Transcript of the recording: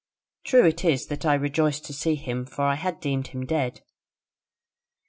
True it is that I rejoiced to see him, for I had deemed him dead.